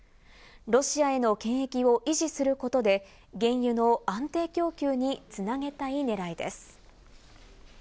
ロシアへの権益を維持することで原油の安定供給につなげたい狙いです。